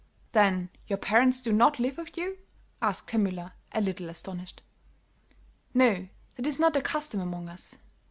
"Then your parents do not live with you?" asked Herr Müller, a little astonished. "No, that is not the custom among us.